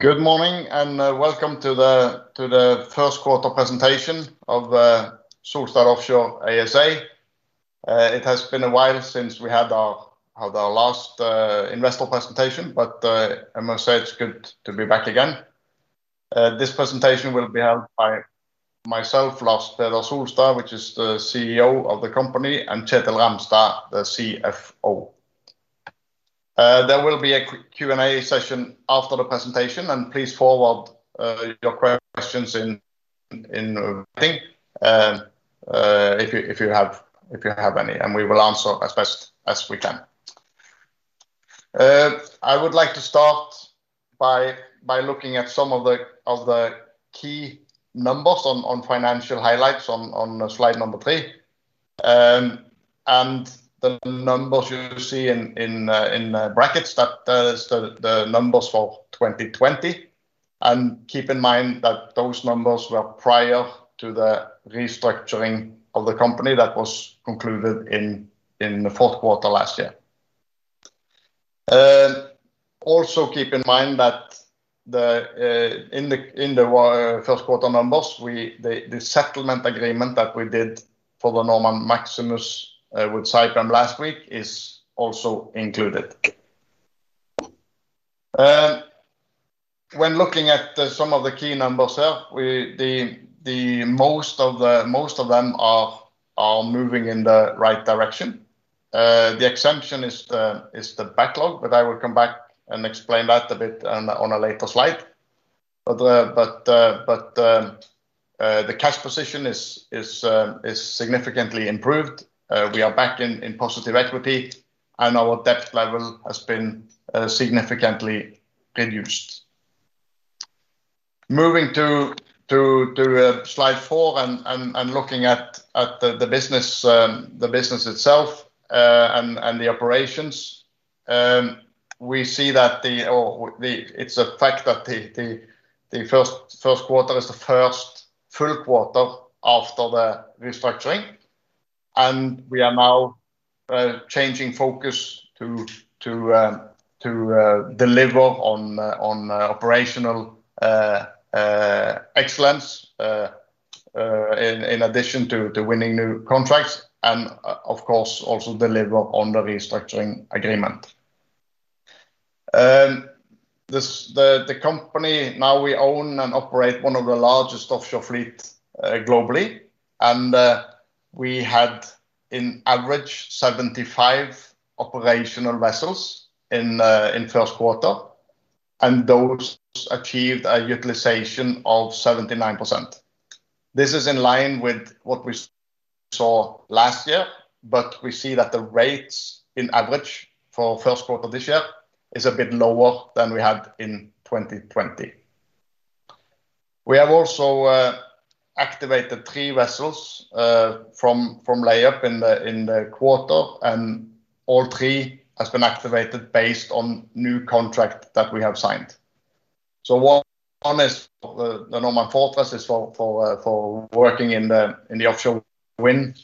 Good morning and welcome to the First Quarter Presentation of Solstad Offshore ASA. It has been a while since we had our last investor presentation, but I must say it's good to be back again. This presentation will be held by myself, Lars Solstad, who is the CEO of the company, and Kjetil Ramstad, the CFO. There will be a Q&A session after the presentation. Please forward your questions in the chat if you have any, and we will answer as best as we can. I would like to start by looking at some of the key numbers on financial highlights on slide number three. The numbers you see in brackets are the numbers for 2020. Keep in mind that those numbers were prior to the restructuring of the company that was concluded in the fourth quarter last year. Also, keep in mind that in the first quarter numbers, the settlement agreement that we did for the Norman Maximus with Saipem last week is also included. When looking at some of the key numbers here, most of them are moving in the right direction. The exception is the backlog, but I will come back and explain that a bit on a later slide. The cash position is significantly improved. We are back in positive equity, and our debt level has been significantly reduced. Moving to slide four and looking at the business itself and the operations, we see that it's a fact that the first quarter is the first full quarter after the restructuring. We are now changing focus to deliver on operational excellence in addition to winning new contracts, and of course, also deliver on the restructuring agreement. The company now owns and operates one of the largest offshore fleets globally, and we had an average of 75 operational vessels in the first quarter, and those achieved a utilization of 79%. This is in line with what we saw last year, but we see that the rates in average for the first quarter this year are a bit lower than we had in 2020. We have also activated three vessels from layup in the quarter, and all three have been activated based on new contracts that we have signed. One is for the Norman Fortress, for working in the offshore wind.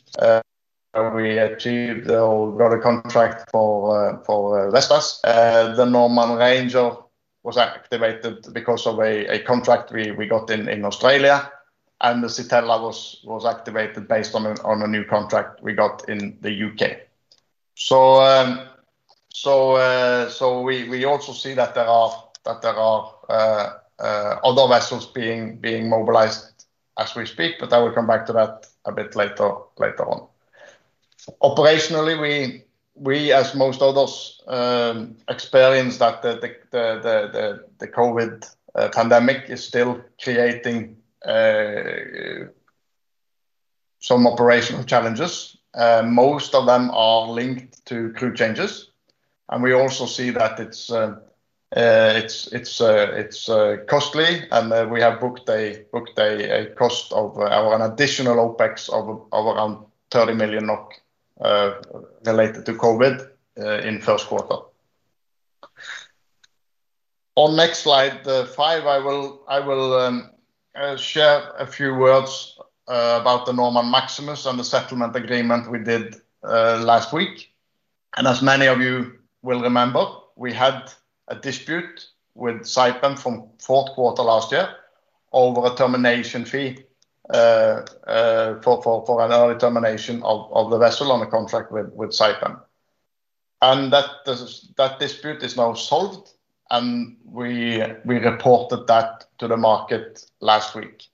We achieved the contract for Vestas. The Norman Ranger was activated because of a contract we got in Australia, and the Sytella was activated based on a new contract we got in the U.K. We also see that there are other vessels being mobilized as we speak, but I will come back to that a bit later on. Operationally, we, as most others, experience that the COVID pandemic is still creating some operational challenges. Most of them are linked to crew changes, and we also see that it's costly, and we have booked a cost of an additional OpEx of around $30 million related to COVID in the first quarter. On the next slide, five, I will share a few words about the Norman Maximus and the settlement agreement we did last week. As many of you will remember, we had a dispute with Saipem from the fourth quarter last year over a termination fee for an early termination of the vessel on a contract with Saipem. That dispute is now solved, and we reported that to the market last week.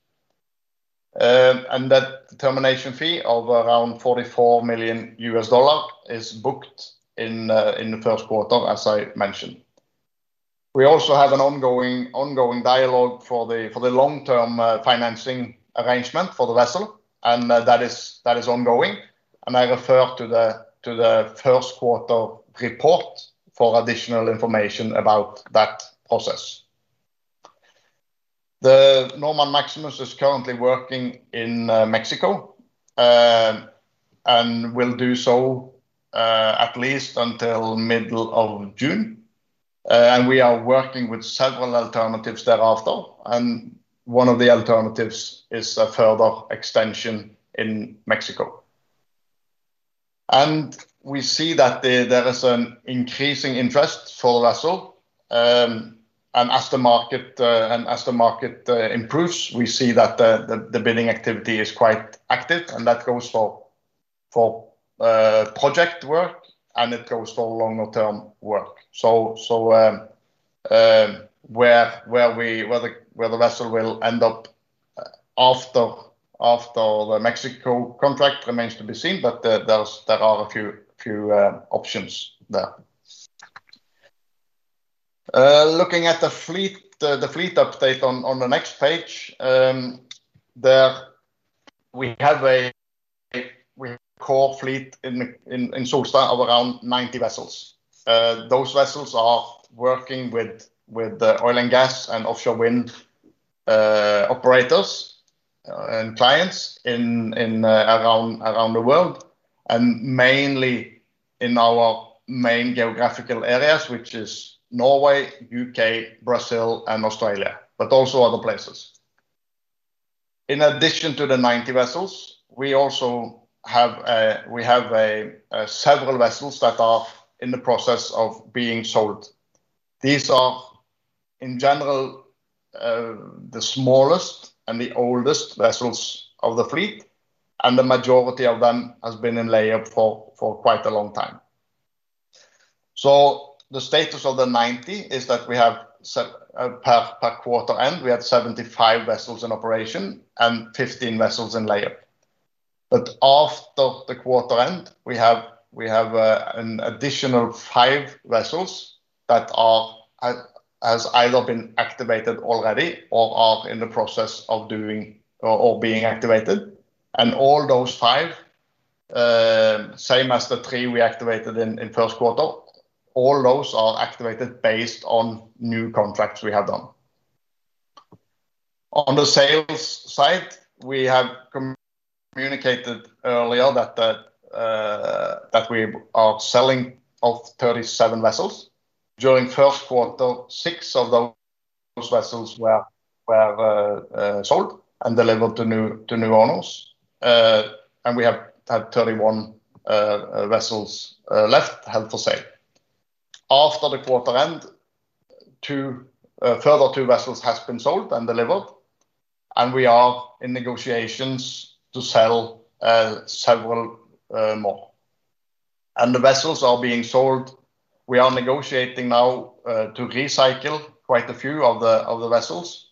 That termination fee of around $44 million is booked in the first quarter, as I mentioned. We also have an ongoing dialogue for the long-term financing arrangement for the vessel, and that is ongoing. I refer to the first quarter report for additional information about that process. The Norman Maximus is currently working in Mexico and will do so at least until the middle of June. We are working with several alternatives thereafter, and one of the alternatives is a further extension in Mexico. We see that there is an increasing interest for the vessel. As the market improves, we see that the bidding activity is quite active, and that goes for project work, and it goes for longer-term work. Where the vessel will end up after the Mexico contract remains to be seen, but there are a few options there. Looking at the fleet update on the next page, we have a core fleet in Solstad Offshore of around 90 vessels. Those vessels are working with oil and gas and offshore wind operators and clients around the world, and mainly in our main geographical areas, which is Norway, U.K., Brazil, and Australia, but also other places. In addition to the 90 vessels, we also have several vessels that are in the process of being sold. These are, in general, the smallest and the oldest vessels of the fleet, and the majority of them have been in layup for quite a long time. The status of the 90 is that we have per quarter end, we have 75 vessels in operation and 15 vessels in layup. After the quarter end, we have an additional five vessels that have either been activated already or are in the process of doing or being activated. All those five, same as the three we activated in the first quarter, all those are activated based on new contracts we have done. On the sales side, we have communicated earlier that we are selling out 37 vessels. During the first quarter, six of those vessels were sold and delivered to new owners. We have had 31 vessels left held for sale. After the quarter end, a further two vessels have been sold and delivered, and we are in negotiations to sell several more. The vessels are being sold. We are negotiating now to recycle quite a few of the vessels.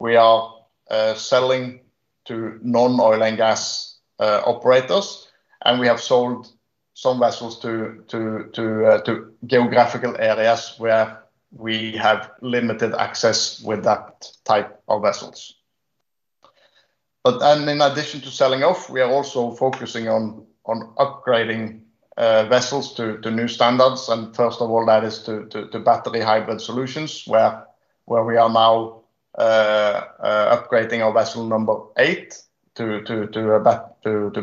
We are selling to non-oil and gas operators, and we have sold some vessels to geographical areas where we have limited access with that type of vessels. In addition to selling off, we are also focusing on upgrading vessels to new standards. First of all, that is to battery hybrid solutions, where we are now upgrading our vessel number eight to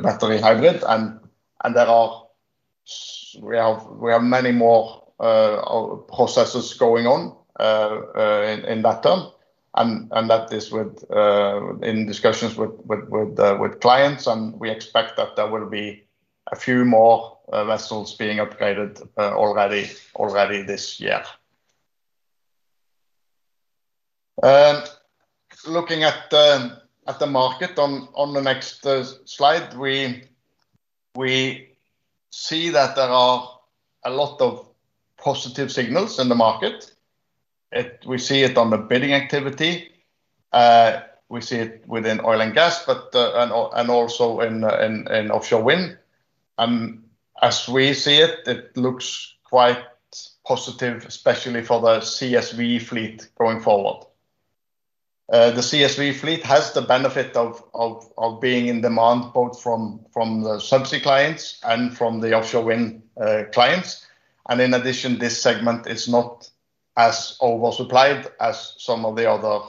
battery hybrid. There are many more processes going on in that term. That is in discussions with clients, and we expect that there will be a few more vessels being upgraded already this year. Looking at the market on the next slide, we see that there are a lot of positive signals in the market. We see it on the bidding activity. We see it within oil and gas, but also in offshore wind. As we see it, it looks quite positive, especially for the CSV fleet going forward. The CSV fleet has the benefit of being in demand both from the subsea clients and from the offshore wind clients. In addition, this segment is not as oversupplied as some of the other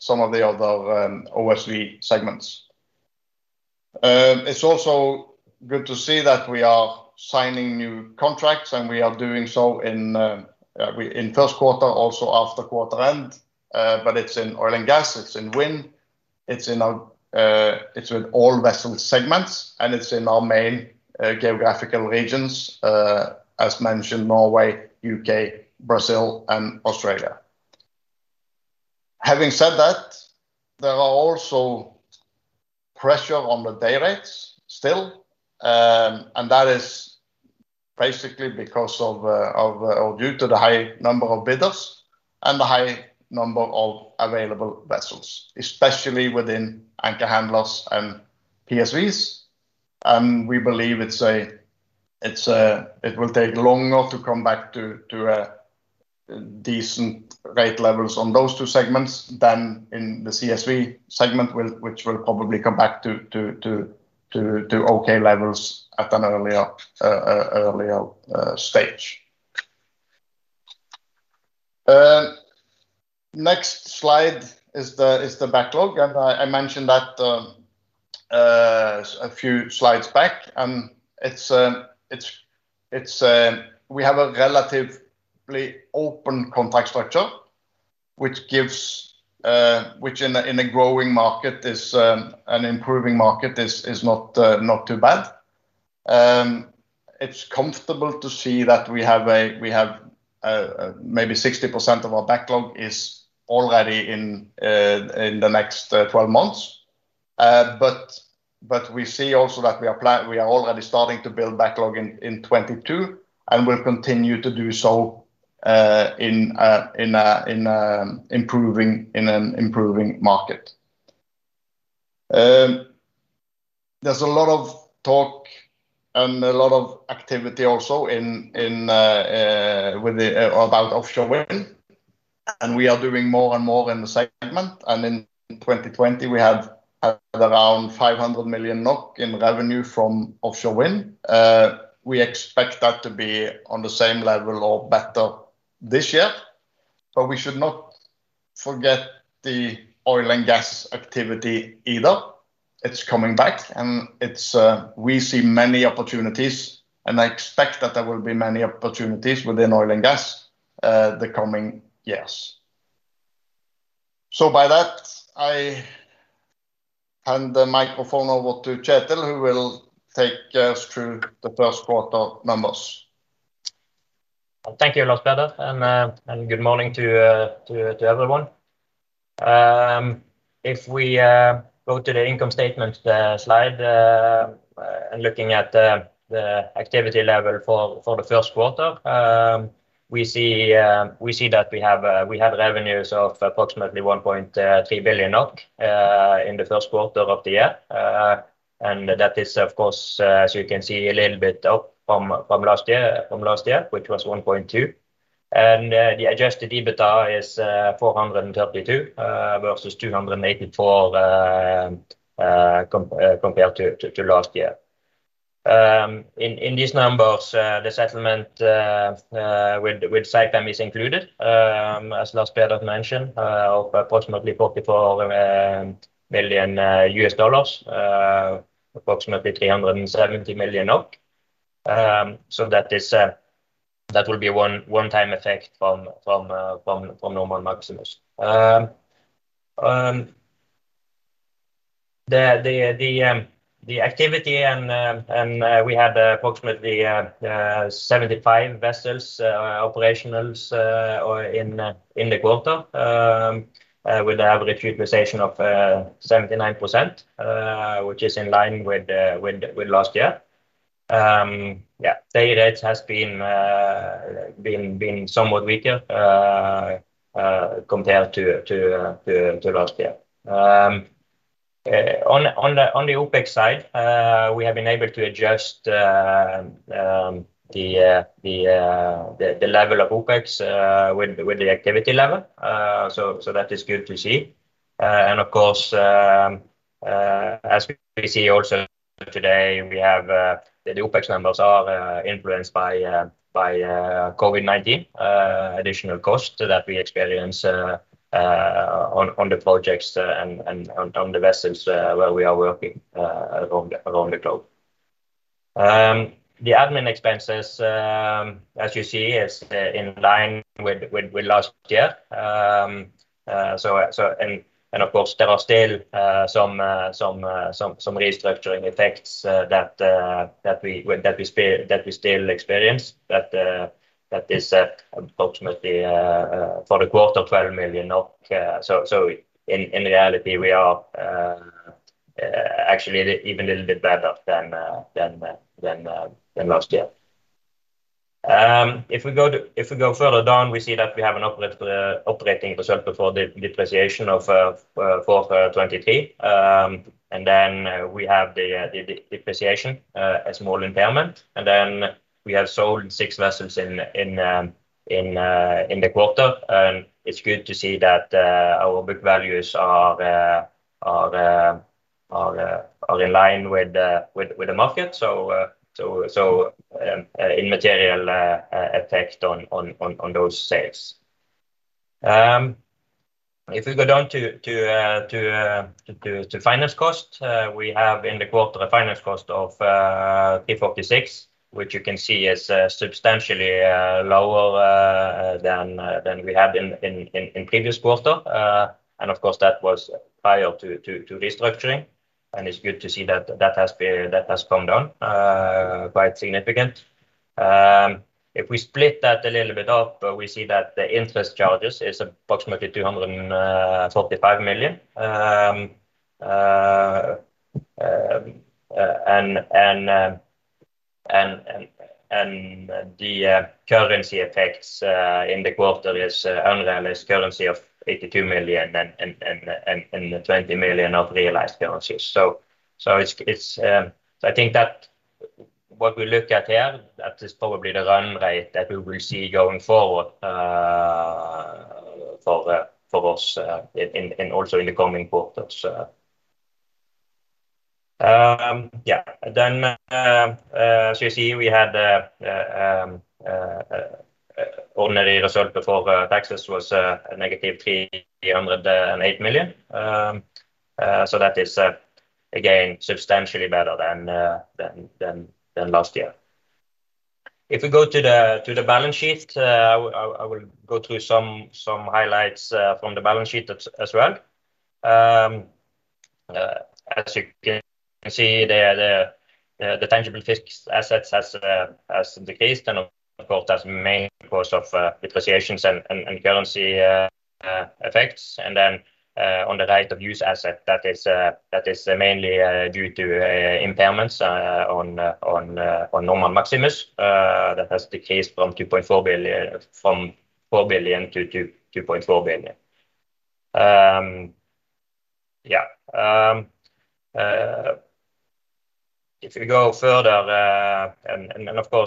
OSV segments. It's also good to see that we are signing new contracts, and we are doing so in the first quarter, also after the quarter end. It's in oil and gas, it's in wind, it's in all vessel segments, and it's in our main geographical regions, as mentioned, Norway, U.K., Brazil, and Australia. Having said that, there are also pressure on the day rates still. That is basically because of or due to the high number of bidders and the high number of available vessels, especially within anchor handlers and PSVs. We believe it will take longer to come back to decent rate levels on those two segments than in the CSV segment, which will probably come back to okay levels at an earlier stage. Next slide is the backlog, and I mentioned that a few slides back. We have a relatively open contract structure, which in a growing market is an improving market, is not too bad. It's comfortable to see that we have maybe 60% of our backlog already in the next 12 months. We see also that we are already starting to build backlog in 2022, and we'll continue to do so in an improving market. There's a lot of talk and a lot of activity also about offshore wind. We are doing more and more in the segment. In 2020, we had around 500 million NOK in revenue from offshore wind. We expect that to be on the same level or better this year. We should not forget the oil and gas activity either. It's coming back, and we see many opportunities. I expect that there will be many opportunities within oil and gas the coming years. By that, I hand the microphone over to Kjetil, who will take us through the first quarter numbers. Thank you, Lars Solstad, and good morning to everyone. If we go to the income statement slide and looking at the activity level for the first quarter, we see that we have revenues of approximately 1.3 billion in the first quarter of the year. That is, of course, as you can see, a little bit up from last year, which was 1.2 billion. The adjusted EBITDA is 432 million versus 284 million compared to last year. In these numbers, the settlement with Saipem is included. As Lars Solstad mentioned, approximately $44 million, approximately NOK 370 million. That will be a one-time effect from Norman Maximus. The activity, and we had approximately 75 vessels operational in the quarter, with the average utilization of 79%, which is in line with last year. Day rates have been somewhat weaker compared to last year. On the OPEX side, we have been able to adjust the level of OPEX with the activity level. That is good to see. As we see also today, the OPEX numbers are influenced by COVID-19 additional costs that we experience on the projects and on the vessels where we are working around the globe. The admin expenses, as you see, are in line with last year. There are still some restructuring effects that we still experience. That is approximately for the quarter, 12 million. In reality, we are actually even a little bit better than last year. If we go further down, we see that we have an operating result before the depreciation of 423 million. Then we have the depreciation, a small impairment. We have sold six vessels in the quarter. It's good to see that our book values are in line with the market. So immaterial effect on those sales. If we go down to finance costs, we have in the quarter a finance cost of 346 million, which you can see is substantially lower than we had in the previous quarter. That was prior to restructuring. It's good to see that that has come down quite significantly. If we split that a little bit up, we see that the interest charges are approximately NOK 245 million. The currency effects in the quarter are an unrealized currency of 82 million and 20 million of realized currency. I think that what we look at here, that is probably the run rate that we will see going forward for us and also in the coming quarters. As you see, we had an ordinary result before taxes was negative 308 million. That is again substantially better than last year. If we go to the balance sheet, I will go through some highlights from the balance sheet as well. As you can see, the tangible fixed assets have decreased, and of course, that's the main cause of depreciations and currency effects. On the right of use assets, that is mainly due to impairments on Norman Maximus. That has decreased from 4 billion to 2.4 billion. If we go further,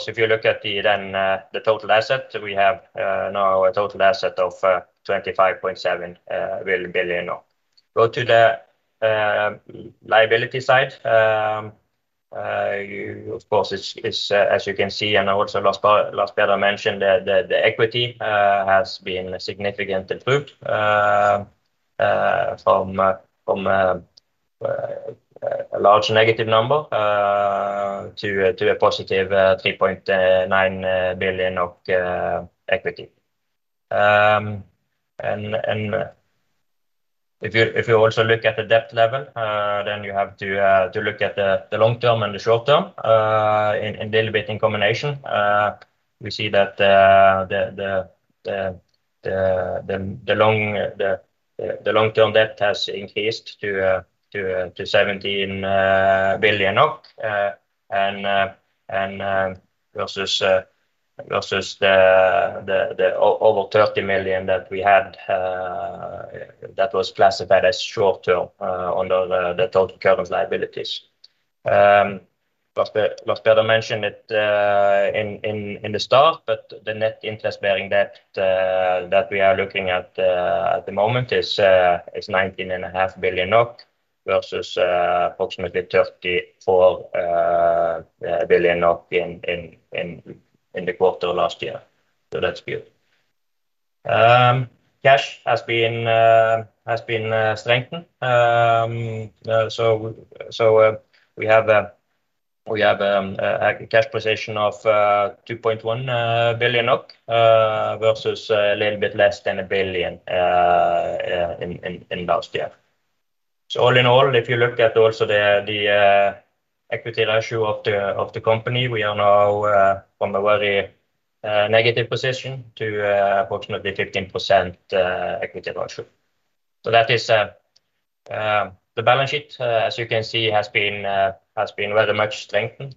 if you look at the total assets, we have now a total asset of 25.7 billion. Go to the liability side. As you can see, and also last year I mentioned, the equity has been significantly improved from a large negative number to a +3.9 billion of equity. If you also look at the debt level, then you have to look at the long term and the short term a little bit in combination. We see that the long-term debt has increased to 17 billion versus the over NOK 30 million that we had that was classified as short term under the total current liabilities. Like I mentioned at the start, the net interest-bearing debt that we are looking at at the moment is 19.5 billion NOK versus approximately 34 billion NOK in the quarter last year. That's good. Cash has been strengthened. We have a cash position of 2.1 billion versus a little bit less than 1 billion last year. All in all, if you look at also the equity ratio of the company, we are now from a very negative position to approximately 15% equity ratio. That is the balance sheet. As you can see, it has been very much strengthened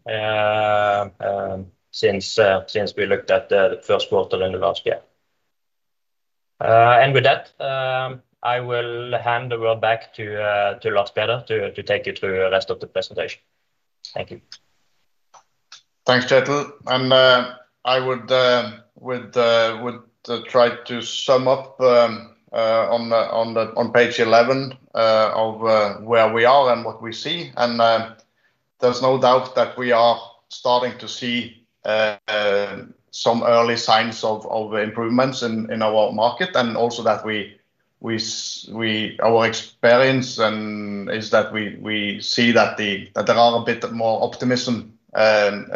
since we looked at the first quarter in the last year. With that, I will hand the word back to Lars Solstad to take you through the rest of the presentation. Thank you. Thanks, Kjetil. I would try to sum up on page 11 of where we are and what we see. There's no doubt that we are starting to see some early signs of improvements in our market. Also, our experience is that we see that there is a bit more optimism in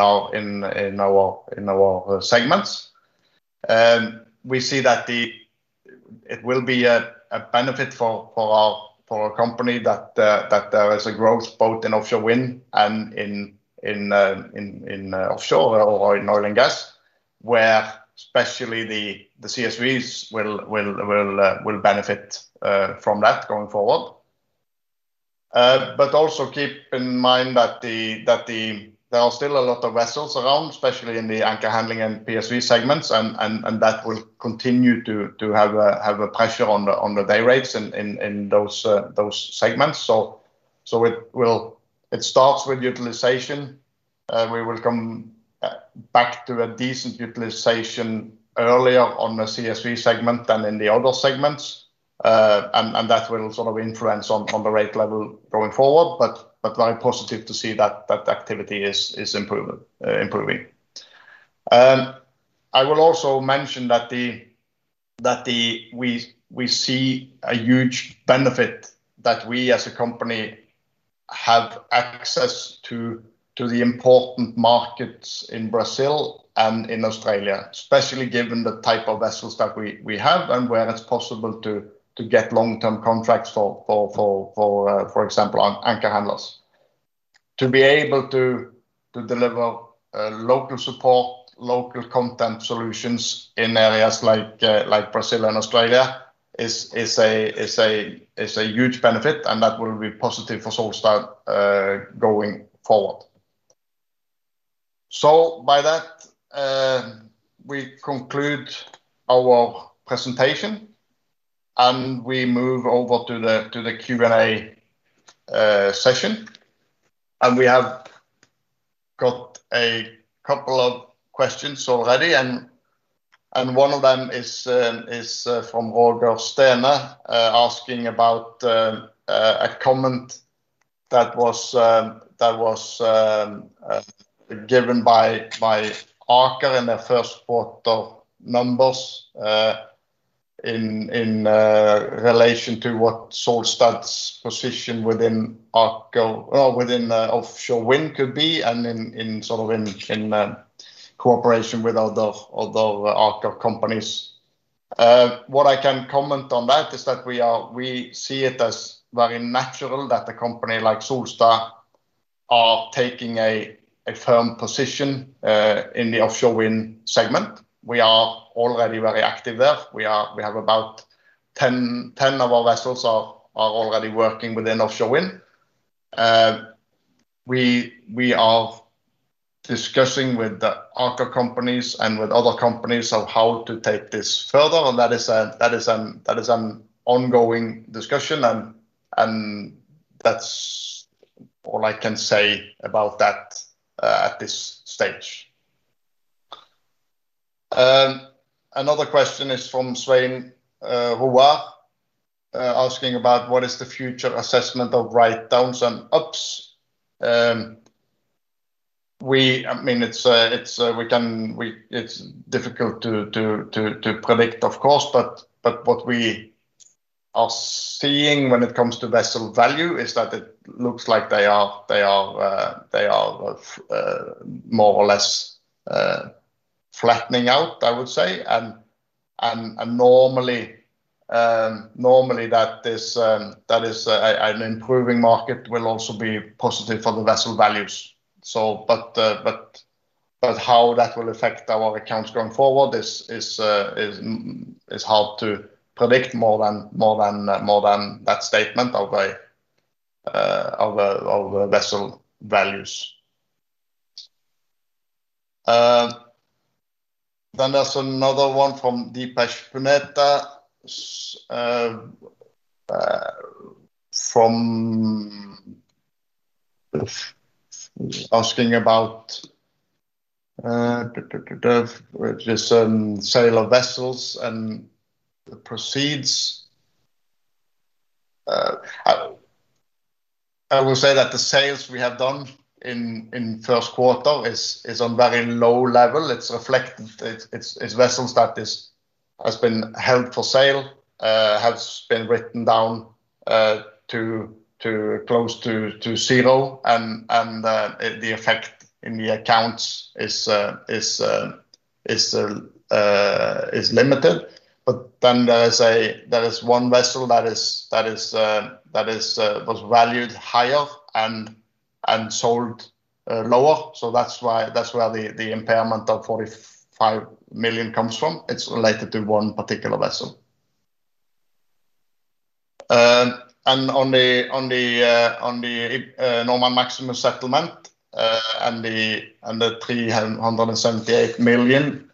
our segments. We see that it will be a benefit for our company that there is a growth both in offshore wind and in oil and gas, where especially the CSVs will benefit from that going forward. Also, keep in mind that there are still a lot of vessels around, especially in the anchor handler and PSV segments. That will continue to have a pressure on the day rates in those segments. It starts with utilization. We will come back to a decent utilization earlier on the CSV segment than in the other segments. That will sort of influence the rate level going forward. Very positive to see that activity is improving. I will also mention that we see a huge benefit that we as a company have access to the important markets in Brazil and in Australia, especially given the type of vessels that we have and where it's possible to get long-term contracts for, for example, anchor handlers. To be able to deliver local support, local content solutions in areas like Brazil and Australia is a huge benefit. That will be positive for Solstad Offshore going forward. By that, we conclude our presentation and we move over to the Q&A session. We have got a couple of questions already. One of them is from Roger Sterne asking about a comment that was given by Aker in their first quarter numbers in relation to what Solstad Offshore's position within offshore wind could be and in cooperation with other Aker companies. What I can comment on that is that we see it as very natural that a company like Solstad Offshore are taking a firm position in the offshore wind segment. We are already very active there. We have about 10 of our vessels that are already working within offshore wind. We are discussing with the Aker companies and with other companies of how to take this further. That is an ongoing discussion. That's all I can say about that at this stage. Another question is from Svein Roar asking about what is the future assessment of write-downs and ups. I mean, it's difficult to predict, of course. What we are seeing when it comes to vessel value is that it looks like they are more or less flattening out, I would say. Normally, that is an improving market will also be positive for the vessel values. How that will affect our accounts going forward is hard to predict more than that statement of vessel values. There is another one from Dipesh Punetta asking about the sale of vessels and the proceeds. I will say that the sales we have done in the first quarter are on a very low level. It's reflected in vessels that have been held for sale, have been written down to close to zero. The effect in the accounts is limited. There is one vessel that was valued higher and sold lower. That's where the impairment of $45 million comes from. It's related to one particular vessel. On the Norman Maximus settlement and the $378 million,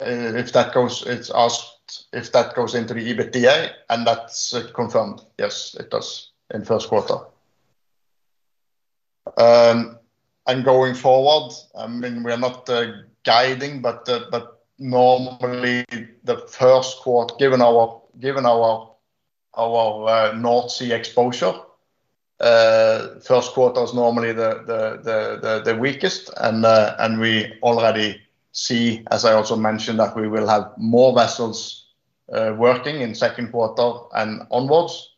it's asked if that goes into the EBITDA. That's confirmed. Yes, it does in the first quarter. Going forward, I mean, we are not guiding, but normally the first quarter, given our North Sea exposure, the first quarter is normally the weakest. We already see, as I also mentioned, that we will have more vessels working in the second quarter and onwards.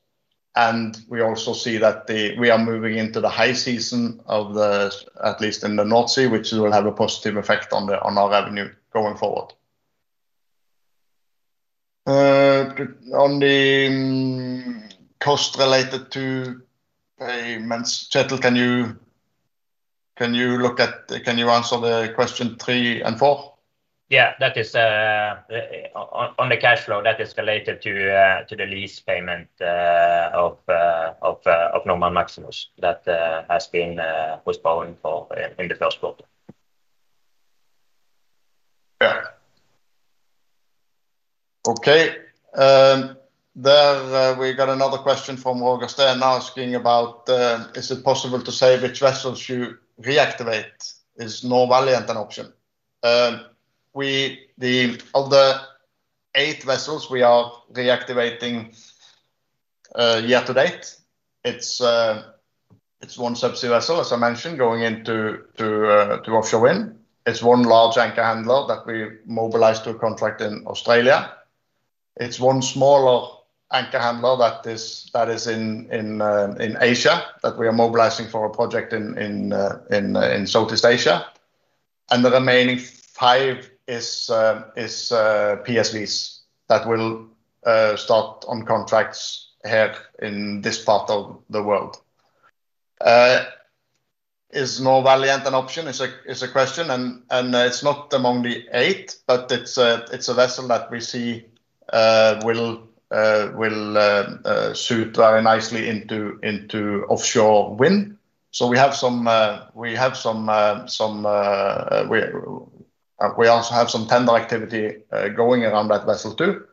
We also see that we are moving into the high season, at least in the North Sea, which will have a positive effect on our revenue going forward. On the cost related to payments, Kjetil, can you look at, can you answer the question three and four? Yeah. That is on the cash flow. That is related to the lease payment of Norman Maximus that has been postponed in the first quarter. Okay. There we got another question from Roger Sterne asking about, is it possible to say which vessels you reactivate? Is Norvaliant an option? The other eight vessels we are reactivating year to date, it's one subsea vessel, as I mentioned, going into offshore wind. It's one large anchor handler that we mobilized to a contract in Australia. It's one smaller anchor handler that is in Asia that we are mobilizing for a project in Southeast Asia. The remaining five are PSVs that will start on contracts here in this part of the world. Is Norvaliant an option? It's a question. It's not among the eight, but it's a vessel that we see will suit very nicely into offshore wind. We also have some tender activity going around that vessel too.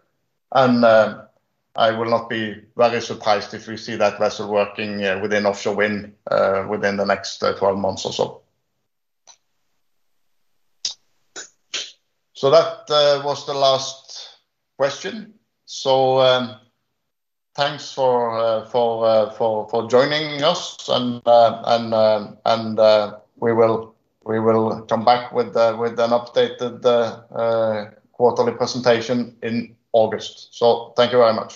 I will not be very surprised if we see that vessel working within offshore wind within the next 12 months or so. That was the last question. Thanks for joining us. We will come back with an updated quarterly presentation in August. Thank you very much.